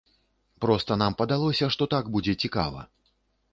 Проста нам падалося, што так будзе цікава.